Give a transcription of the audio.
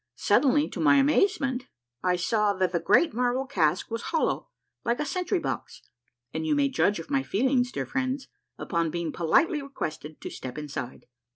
Suddenly, to my amazement, 1 saw that the great marble cask was hollow, like a sentry box ; and you may judge of my feelings, dear friends, upon being politely requested to step inside.